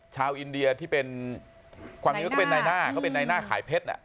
ชาวอินเดียที่เป็นความจริงก็เป็นในหน้าเขาเป็นในหน้าขายเพชร